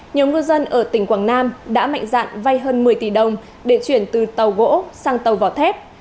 nhiều ngư dân ở tỉnh quảng nam đã mạnh dạn vay hơn một mươi tỷ đồng để chuyển từ tàu gỗ sang tàu vỏ thép